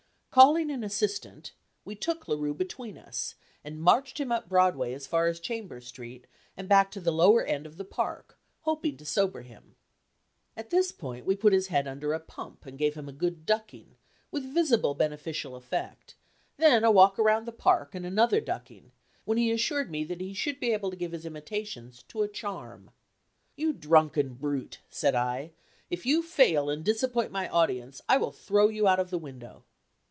Calling an assistant, we took La Rue between us, and marched him up Broadway as far as Chambers Street, and back to the lower end of the Park, hoping to sober him. At this point we put his head under a pump, and gave him a good ducking, with visible beneficial effect, then a walk around the Park, and another ducking, when he assured me that he should be able to give his imitations "to a charm." "You drunken brute," said I, "if you fail, and disappoint my audience, I will throw you out of the window."